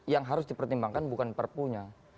yang harus dipertimbangkan bukan perpunya